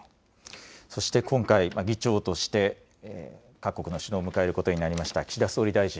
そして今回、議長として各国の首脳を迎えることになりました岸田総理大臣。